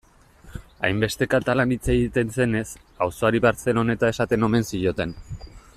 Hainbeste katalan hitz egiten zenez, auzoari Barceloneta esaten omen zioten.